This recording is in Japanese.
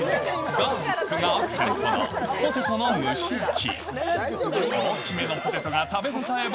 ガーリックがアクセントのポテトの蒸し焼き。